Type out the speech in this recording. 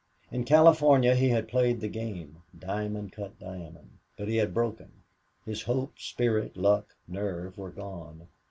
In California he had played the game, diamond cut diamond. But he had broken. His hope, spirit, luck, nerve were gone.